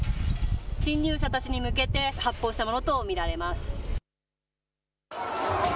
侵入者たちに向けて発砲したものと見られます。